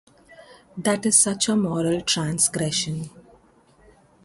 That is such a moral transgression.